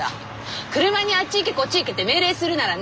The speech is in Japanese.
車にあっち行けこっち行けって命令するならね